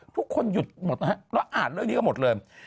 ทุกคนหยุดหมดนะฮะแล้วอ่านเรื่องนี้กันหมดเลย